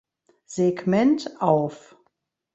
Segment auf.